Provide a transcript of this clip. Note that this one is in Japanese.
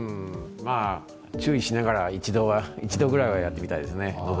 注意しながら、一度ぐらいは登ってみたいですね。